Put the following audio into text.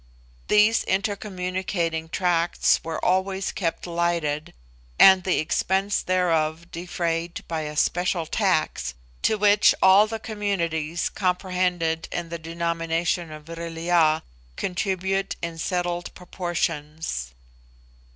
These intercommunicating tracts were always kept lighted, and the expense thereof defrayed by a special tax, to which all the communities comprehended in the denomination of Vril ya contribute in settled proportions.